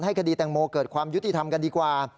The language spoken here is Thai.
คดีแตงโมเกิดความยุติธรรมกันดีกว่า